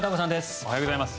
おはようございます。